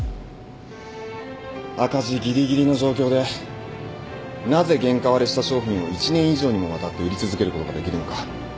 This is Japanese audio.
赤字ギリギリの状況でなぜ原価割れした商品を１年以上にもわたって売り続けることができるのか。